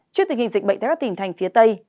trước tình hình dịch bệnh tại các tỉnh thành phía tây